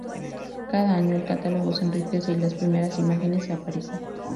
Cada año, el catálogo se enriquece y las primeras imágenes aparecen.